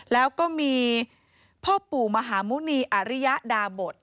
แล้วก็มีพ่อปู่มหาหมุณีอริยดาบท